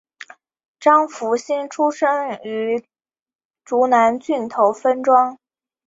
张福兴出生于竹南郡头分庄。